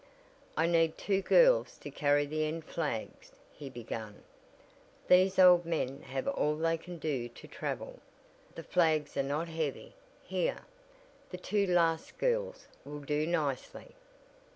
"I need two girls to carry the end flags," he began. "These old men have all they can do to travel. The flags are not heavy here, the two last girls will do nicely!"